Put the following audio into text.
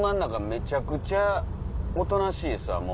めちゃくちゃおとなしいですわ。